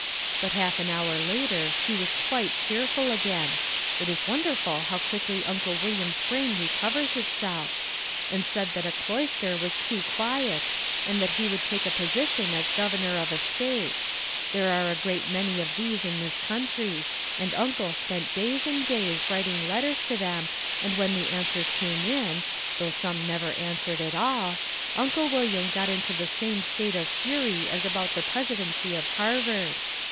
But half an hour later he was quite cheerful again, it is wonderful how quickly Uncle William's brain recovers itself, and said that a cloister was too quiet and that he would take a position as Governor of a State; there are a great many of these in this country and Uncle spent days and days writing letters to them and when the answers came in though some never answered at all Uncle William got into the same state of fury as about the Presidency of Harvard.